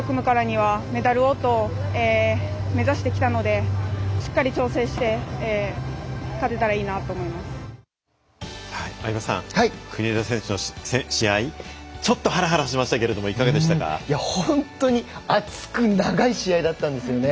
上地選手と組むからにはやはりメダルをと目指してきたのでしっかり挑戦して相葉さん国枝選手の試合ちょっとハラハラしましたけど本当に熱く長い試合だったんですよね。